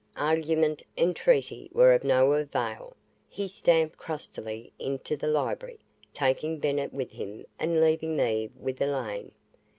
Argument, entreaty were of no avail. He stamped crustily into the library, taking Bennett with him and leaving me with Elaine.